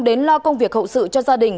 đến lo công việc hậu sự cho gia đình